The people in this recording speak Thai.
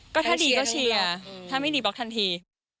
ก็ถ้าดีก็เชียร์ถ้าไม่ดีบล็อกทันที